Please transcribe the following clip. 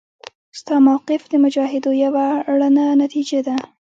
ستا موقف د مجاهدو یوه رڼه نتیجه ده.